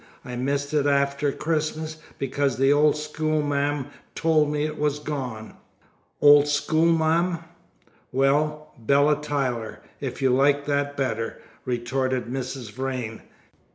I missed it after Christmas, because that old schoolma'am told me it was gone." "Old schoolma'am!" "Well, Bella Tyler, if you like that better," retorted Mrs. Vrain.